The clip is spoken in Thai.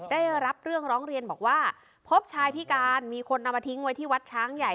ได้รับเรื่องร้องเรียนบอกว่าพบชายพิการมีคนนำมาทิ้งไว้ที่วัดช้างใหญ่